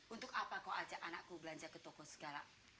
untuk apa kau ajak anakku belanja ke toko segala